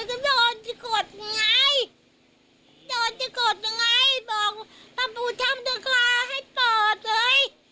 เขาโดนจะกดทุนัยโดนจะกดทุนัยบอกปปูช้ำนะคะให้เปิดเลย